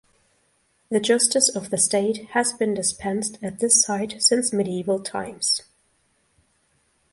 The justice of the state has been dispensed at this site since medieval times.